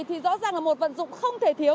thì rõ ràng là một vận dụng không thể thiếu